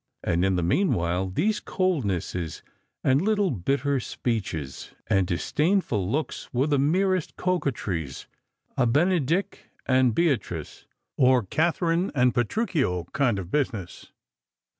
And in the mean while these coldnesses, and little bitter speeches, and disdainful looks were the merest coquetries — a Benedick and Beatrioe or Katherine and Petruchio kind of business.